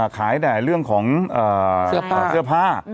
ขายแต่เรื่องของเสื้อผ้า